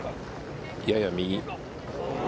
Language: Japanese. やや右。